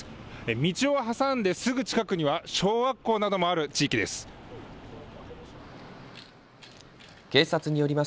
道を挟んですぐ近くには小学校などもある地域です。